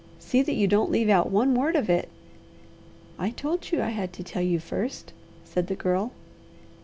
See that you don't leave out one word of it." "I told you I had to tell you first," said the Girl.